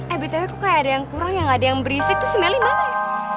eh btw kok kayak ada yang kurang ya gak ada yang berisik tuh si melih mana ya